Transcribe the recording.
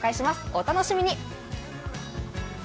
お楽しみに。